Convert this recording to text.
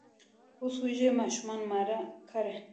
اوس وږي ماشومان ماړه کړئ!